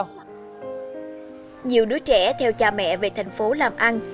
nhiều đứa trẻ theo cha mẹ về thành phố làm ăn